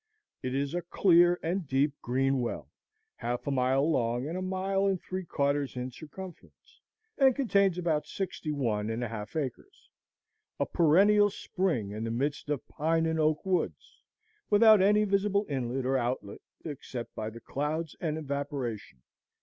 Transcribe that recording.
It is a clear and deep green well, half a mile long and a mile and three quarters in circumference, and contains about sixty one and a half acres; a perennial spring in the midst of pine and oak woods, without any visible inlet or outlet except by the clouds and evaporation.